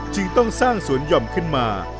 จึงต้องสร้างสวนหย่อมขึ้นมา